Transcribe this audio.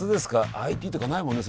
ＩＴとかないもんね